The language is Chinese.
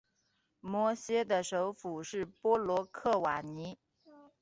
摩羯的首府是波罗克瓦尼。